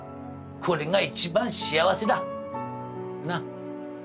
これが一番幸せだ。なあ。